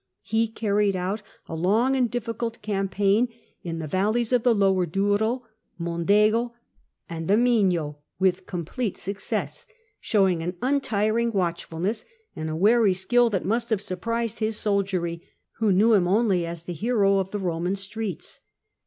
He carried out a long and diffictxlt campaign in the valleys of the Lower Douro, the Mondego, and the Minho with complete success, showing an untiring watch fulness and a wary skill that must have surprised his soldiery, who knew him only as the hero of the Roman streets.